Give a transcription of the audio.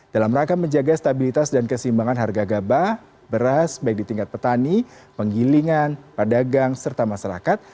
dalam rangka menjaga stabilitas dan kesimbangan harga gabah beras baik di tingkat petani penggilingan pedagang serta masyarakat